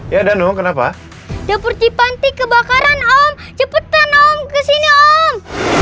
ya danu kenapa dapur tipanti kebakaran om cepetan om kesini om